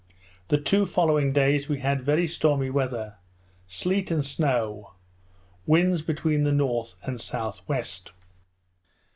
The two following days we had very stormy weather, sleet and snow, winds between the north and south west.